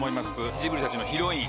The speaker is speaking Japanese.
ジブリたちのヒロイン